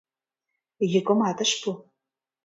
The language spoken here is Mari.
Йӱкымат ыш пу.